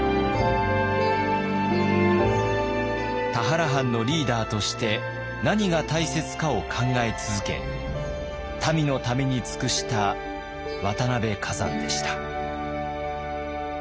田原藩のリーダーとして何が大切かを考え続け民のために尽くした渡辺崋山でした。